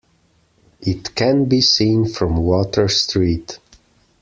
It can be seen from Water Street.